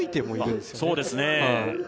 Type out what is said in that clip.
そうですね